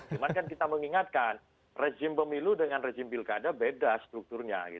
cuma kan kita mengingatkan rezim pemilu dengan rejim pilkada beda strukturnya